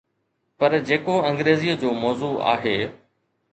پر جيڪو انگريزيءَ جو موضوع آهي.